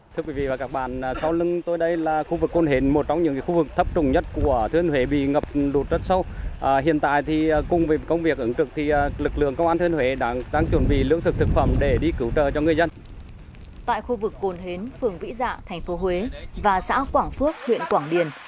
tại khu vực cồn hến phường vĩ dạ thành phố huế và xã quảng phước huyện quảng điền